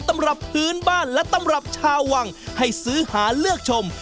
ตำรับพื้นบ้านและตำรับชาววังให้ซื้อหาเลือกชม